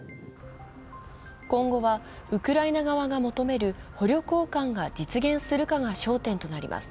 今後は、ウクライナ側が求める捕虜交換が実現するかが焦点となります。